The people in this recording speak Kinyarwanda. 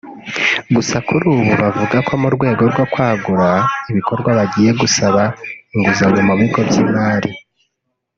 Gusa kuri ubu bavuga ko mu rwego rwo kwagura ibikorwa bagiye gusaba inguzanyo mu bigo by’imari